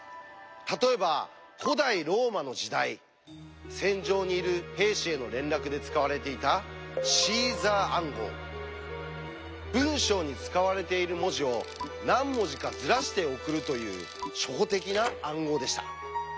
例えば古代ローマの時代戦場にいる兵士への連絡で使われていた文章に使われている文字を何文字かずらして送るという初歩的な暗号でした。